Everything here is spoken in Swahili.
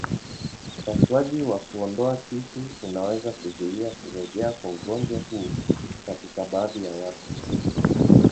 Upasuaji wa kuondoa tishu unaweza kuzuia kurejea kwa ugonjwa huu katika baadhi ya watu.